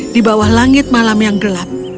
di bawah langit malam yang gelap